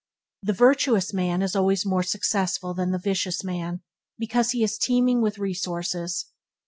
The virtuous man is always more successful than the vicious man because he is teeming with resources.